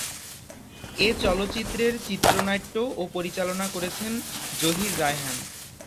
এ চলচ্চিত্রের চিত্রনাট্য ও পরিচালনা করেছেন জহির রায়হান।